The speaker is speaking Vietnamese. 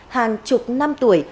hàng chục năm tuổi